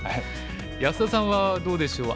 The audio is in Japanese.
安田さんはどうでしょう。